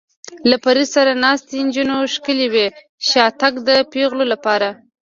له فرید سره ناستې نجونې ښکلې وې، شاتګ د پېغلو لپاره.